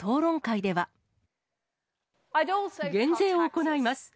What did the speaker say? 減税を行います。